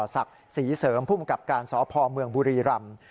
สักษีเสริมผู้มับการซ้อภอเมืองบุรีรำ